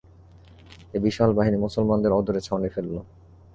এই বিশাল বাহিনী মুসলমানদের অদূরে ছাউনী ফেলল।